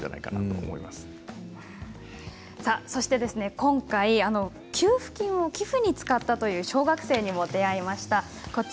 今回、給付金を寄付に使ったという小学生に出会いました。